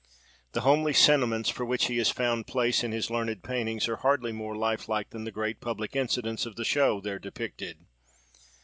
The homely sentiments for which he has found place in his learned paintings are hardly more lifelike than the great public incidents of the show, there depicted.